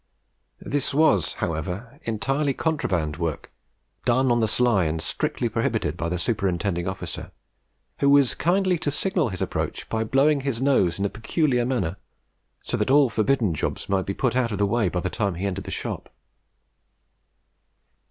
This was, however, entirely contraband work, done "on the sly," and strictly prohibited by the superintending officer, who used kindly to signal his approach by blowing his nose in a peculiar manner, so that all forbidden jobs might be put out of the way by the time he entered the shop.